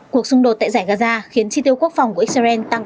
cuộc xung đột tại giải gaza khiến chi tiêu quốc phòng của israel tăng tám mươi năm